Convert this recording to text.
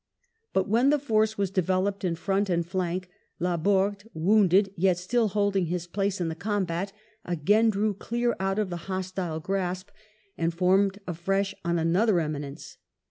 But, when the force was developed in front and flank, Laborde, wounded, yet still holding his place in the combat, again drew clear out of the hostile grasp and formed afresh on another eminence.